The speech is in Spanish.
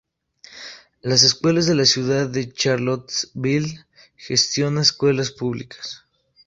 Las Escuelas de la Ciudad de Charlottesville gestiona escuelas públicas.